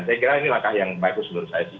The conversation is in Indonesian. saya kira ini langkah yang bagus menurut saya sih